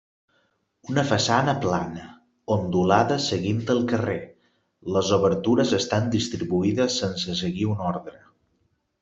Una façana plana, ondulada seguint el carrer, les obertures estan distribuïdes sense seguir un ordre.